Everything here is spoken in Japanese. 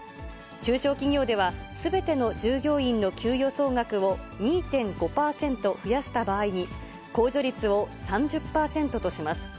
中小企業では、すべての従業員の給与総額を２．５％増やした場合に、控除率を３０％とします。